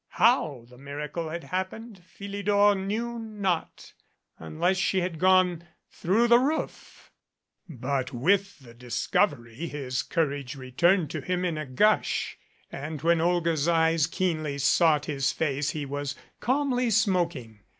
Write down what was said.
How the miracle had hap pened Philidor knew not, unless she had gone through the roof, but with the discovery his courage returned to him in a gush, and when Olga's eyes keenly sought his face he was calmly smoking.